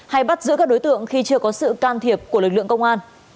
hay bắt giữ các đối tượng khi chưa có sự can thiệp của lực lượng công an